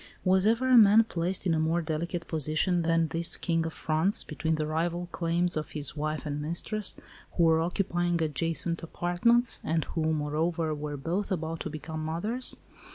Was ever man placed in a more delicate position than this King of France, between the rival claims of his wife and mistress, who were occupying adjacent apartments, and who, moreover, were both about to become mothers?